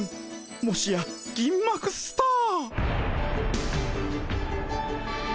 もしや銀幕スター。